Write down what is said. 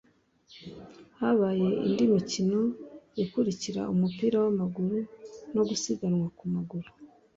habaye indi mikino ikurikira umupira w’amaguru no gusiganwa ku maguru